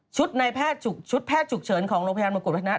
ชุดแพทย์จุกเฉินของโรงพยาบาลมกุฎวัฒนะนั้น